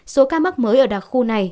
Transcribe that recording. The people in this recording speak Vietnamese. số ca mắc mới ở đặc khu này